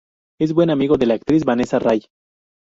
Es buen amigo de la actriz Vanessa Ray.